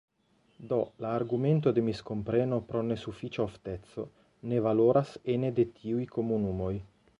Do la argumento de miskompreno pro nesufiĉa ofteco ne valoras ene de tiuj komunumoj.